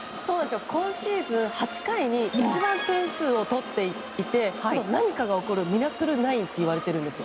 今シーズン８回に一番点数を取っていて何かが起こるミラクル９といわれているんです。